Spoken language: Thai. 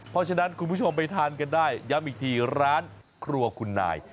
เพราะฉะนั้นคุณผู้ชมไปทานกันได้ย้ำอีกทีร้านครัวคุณนาย